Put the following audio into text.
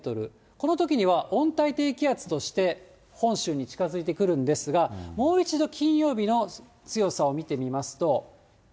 このときには温帯低気圧として本州に近づいてくるんですが、もう一度、金曜日の強さを見てみますと。